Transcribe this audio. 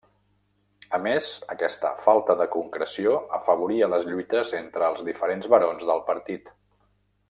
A més, aquesta falta de concreció afavoria les lluites entre els diferents barons del partit.